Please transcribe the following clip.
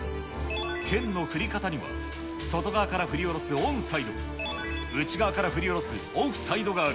剣の振り方には、外側から振り下ろすオンサイド、内側から振り下ろすオフサイドがある。